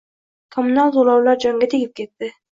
Kommunal toʻlovlar jonga tegib ketdi.